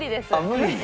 無理？